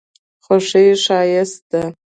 خوښي ښایسته ده.